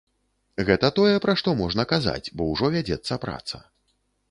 Гэта тое, пра што можна казаць, бо ўжо вядзецца праца.